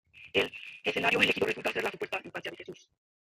El escenario elegido resulta ser la supuesta infancia de Jesús.